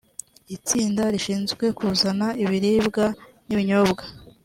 itsinda rishinzwe kuzana ibiribwa n’ibinyobwa